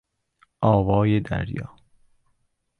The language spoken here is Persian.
آوای دریا